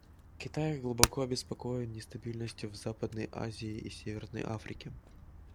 Китай глубоко обеспокоен нестабильностью в Западной Азии и Северной Африке.